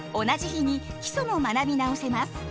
同じ日に基礎も学び直せます！